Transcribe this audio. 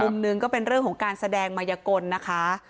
หนึ่งก็เป็นเรื่องของการแสดงมายกลนะคะ